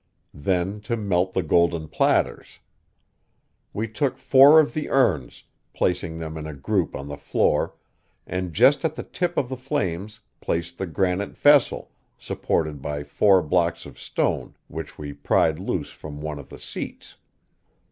Then to melt the golden platters. We took four of the urns, placing them in a group on the floor, and just at the tip of the flames placed the granite vessel, supported by four blocks of stone which we pried loose from one of the seats.